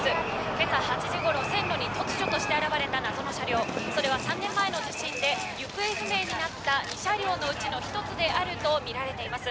今朝８時頃線路に突如として現れた謎の車両それは３年前の地震で行方不明になった２車両のうちの１つであるとみられています